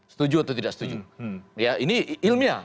setuju atau tidak setuju ya ini ilmiah